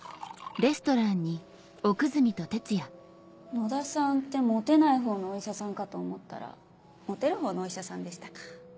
野田さんってモテない方のお医者さんかと思ったらモテる方のお医者さんでしたか。